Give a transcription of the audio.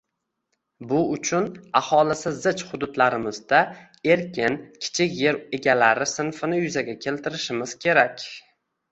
Bu uchun aholisi zich hududlarimizda erkin kichik yer egalari sinfini yuzaga keltirishimiz kerak.